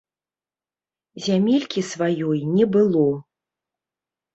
Зямелькі сваёй не было.